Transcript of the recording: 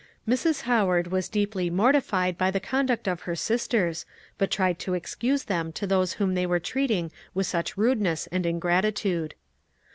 Mrs. Howard was deeply mortified by the conduct of her sisters, but tried to excuse them to those whom they were treating with such rudeness and ingratitude.